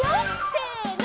せの！